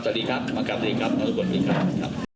สวัสดีครับมาครับสวัสดีครับทุกคนสวัสดีครับครับ